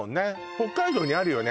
北海道にあるよね